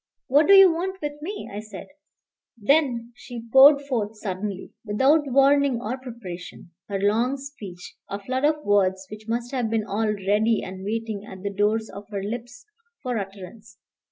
"What do you want with me?" I said. Then she poured forth suddenly, without warning or preparation, her long speech, a flood of words which must have been all ready and waiting at the doors of her lips for utterance.